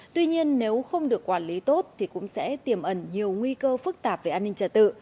tuy nhiên nếu không được quản lý tốt thì cũng sẽ tiềm ẩn nhiều nguy cơ phức tạp về an ninh trật tự